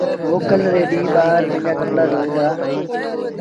موڪل ري ڏيٚݩهݩ ٻآر پنڊرآ ڪپڙآ ڌورائيٚݩ دآ۔